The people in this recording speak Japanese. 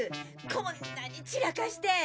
こんなに散らかして！